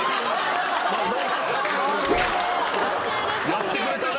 やってくれたな？